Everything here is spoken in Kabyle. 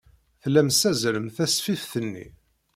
Tellam tessazzalem tasfift-nni.